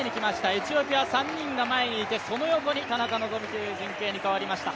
エチオピア勢が３人いてその横に田中希実という陣形に変わりました。